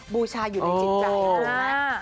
บูชาอยู่ในจิตใจ